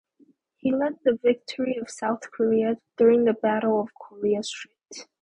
He led the victory of South Korea during the Battle of Korea Strait.